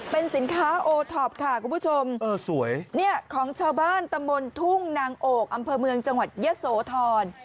เป็นสินค้าโอท็อปค่ะคุณผู้ชมเนี่ยของชาวบ้านตำบลทุ่งนางโอกอำเภอเมืองจังหวัดยะโสธร